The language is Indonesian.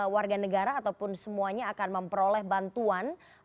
warga negara ataupun semuanya akan memperoleh bantuan